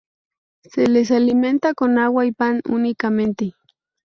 Se les alimenta con agua y pan únicamente.